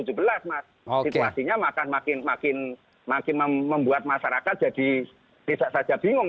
situasinya makin membuat masyarakat jadi bisa saja bingung